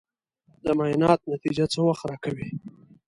د معاینات نتیجه څه وخت راکوې؟